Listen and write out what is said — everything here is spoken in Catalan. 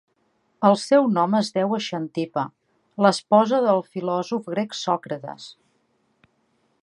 El seu nom es deu a Xantipa, l'esposa del filòsof grec Sòcrates.